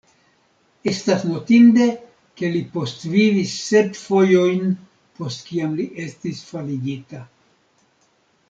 Estas notinde, ke li postvivis sep fojojn post kiam li estis faligita.